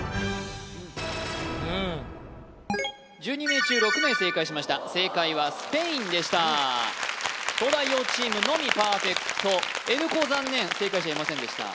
１２名中６名正解しました正解はスペインでした東大王チームのみパーフェクトＮ高残念正解者いませんでした・